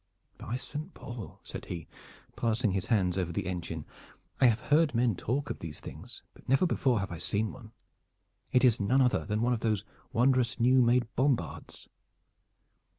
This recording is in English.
"By Saint Paul!" said he, passing his hands over the engine, "I have heard men talk of these things, but never before have I seen one. It is none other than one of those wondrous new made bombards."